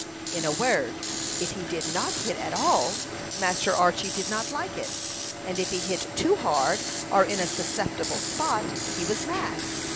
In a word, if he did not hit at all, Master Archy did not like it; and if he hit too hard, or in a susceptible spot, he was mad.